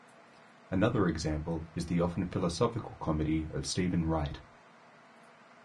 Another example is the often-philosophical comedy of Steven Wright.